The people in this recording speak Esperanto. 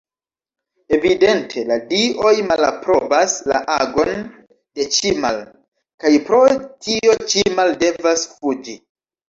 Evidente, la dioj malaprobas la agon de Ĉimal, kaj pro tio Ĉimal devas fuĝi.